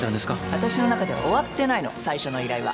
私の中では終わってないの最初の依頼は。